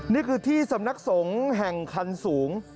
นี่คือที่สำนักสงฆ์แห่งคันสูง